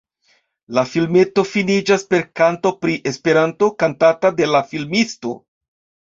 La filmeto finiĝas per kanto pri Esperanto, kantata de la filmisto.